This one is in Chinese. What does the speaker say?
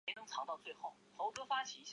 上巴鲁是巴西巴伊亚州的一个市镇。